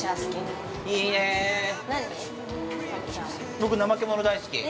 ◆僕ナマケモノ大好き。